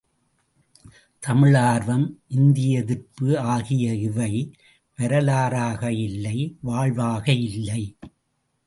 தமிழ் ஆர்வம் இந்தி எதிர்ப்பு ஆகிய இவை வரலாறாக இல்லை வாழ்வாக இல்லை.